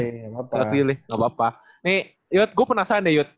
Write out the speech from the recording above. nggak apa apa nih yud gue penasaran deh yud